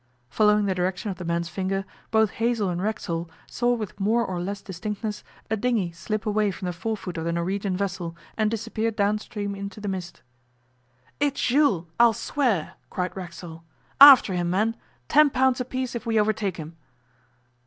Following the direction of the man's finger, both Hazell and Racksole saw with more or less distinctness a dinghy slip away from the forefoot of the Norwegian vessel and disappear downstream into the mist. 'It's Jules, I'll swear,' cried Racksole. 'After him, men. Ten pounds apiece if we overtake him!